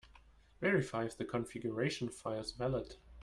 Verify if the configuration file is valid.